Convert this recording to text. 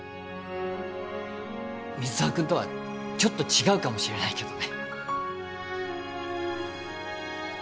水沢君とはちょっと違うかもしれないけどね。